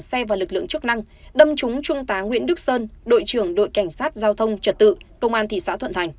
xe và lực lượng chức năng đâm trúng trung tá nguyễn đức sơn đội trưởng đội cảnh sát giao thông trật tự công an thị xã thuận thành